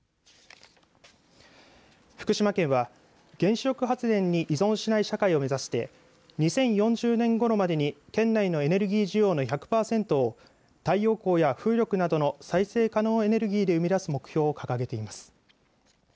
福島県は原子力発電に依存しない社会を目指して２０４０年ごろまでに県内のエネルギー需要の１００パーセントを太陽光や風力などの再生可能エネルギーで生み出す目標を掲げています。